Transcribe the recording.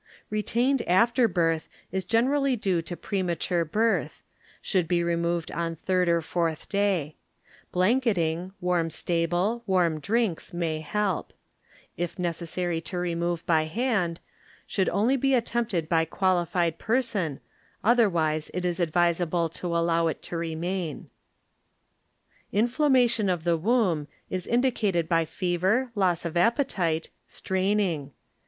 Retained ArreaBiRTH is generally due to premature birth; should be removed on third or fourth day. Blanketing, warm stable, warm drinks may help, If necessary ' to remove by hand, should only be attempted by qualified person, otherwise it is advisable to allow it to Inflaumation of the Woub is Indi cated by fever, loss of appetite, strain ing.